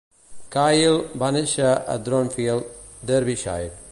Cahill va néixer a Dronfield, Derbyshire.